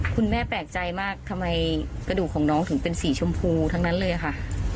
แปลกใจมากทำไมกระดูกของน้องถึงเป็นสีชมพูทั้งนั้นเลยค่ะ